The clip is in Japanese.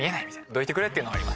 どいてくれっていう。